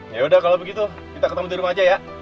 yaudah kalau begitu kita ketemu di rumah aja ya